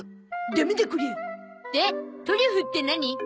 でトリュフって何？